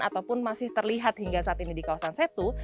ataupun masih terlihat hingga saat ini di kawasan setu